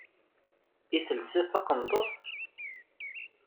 I telseḍ taqendurt?